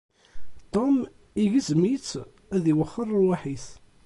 Tom igzem-itt ad iwexxer rrwaḥ-is.